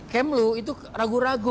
kemlu itu ragu ragu